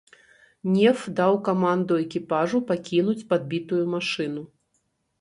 Неф даў каманду экіпажу пакінуць падбітую машыну.